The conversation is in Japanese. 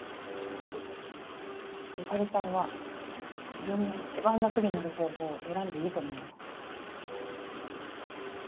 由香里さんは自分が一番楽になる方法を選んでいいと思うよ。